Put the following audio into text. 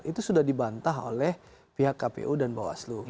itu sudah dibantah oleh pihak kpu dan bawaslu